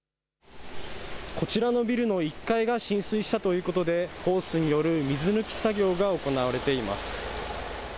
こちらのビルの１階が浸水したということでホースによる水抜き作業が行われています。